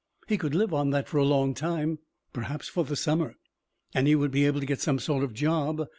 He could live on that for a long time. Perhaps for the summer. And he would be able to get some sort of job.